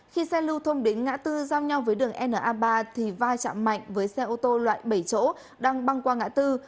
khi xe lưu thông đến ngã tư giao nhau với đường na ba thì va chạm mạnh với xe ô tô loại bảy chỗ đang băng qua ngã tư